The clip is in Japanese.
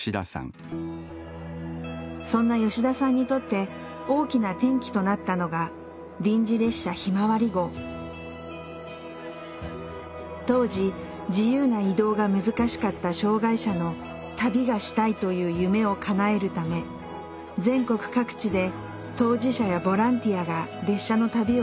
そんな吉田さんにとって大きな転機となったのが当時自由な移動が難しかった障害者の「旅がしたい」という夢をかなえるため全国各地で当事者やボランティアが列車の旅を企画。